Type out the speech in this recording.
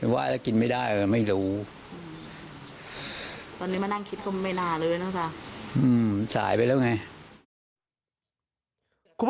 ว่าจะกินไม่ได้ไม่รู้